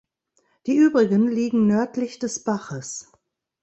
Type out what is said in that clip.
Die übrigen liegen nördlich des Baches.